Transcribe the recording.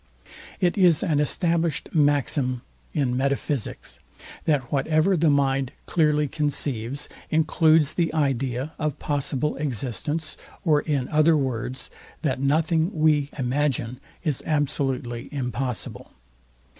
It is an established maxim in metaphysics, That whatever the mind clearly conceives, includes the idea of possible existence, or in other words, that nothing we imagine is absolutely impossible.